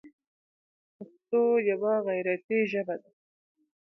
پښتو یوه غیرتي ژبه ده.